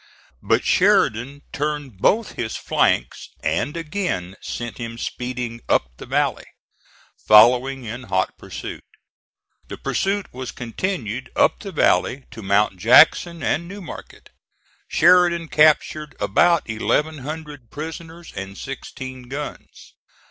But Sheridan turned both his flanks and again sent him speeding up the valley, following in hot pursuit. The pursuit was continued up the valley to Mount Jackson and New Market. Sheridan captured about eleven hundred prisoners and sixteen guns.